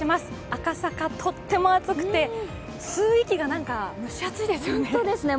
赤坂、とっても暑くて吸う息が何か蒸し暑いですよね。